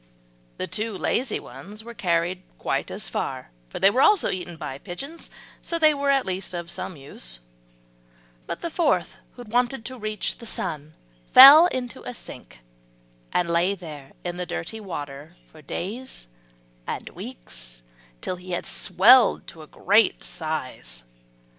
The two lazy ones were carried quite as far, for they also were eaten by pigeons, so they were at least of some use; but the fourth, who wanted to reach the sun, fell into a sink and lay there in the dirty water for days and weeks, till he had swelled to a great size.